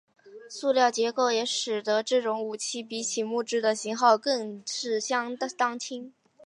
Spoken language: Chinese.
塑料结构也使得这种武器比起木制的型号更是相当轻。